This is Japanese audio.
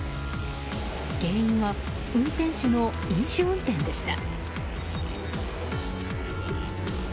原因は運転手の飲酒運転でした。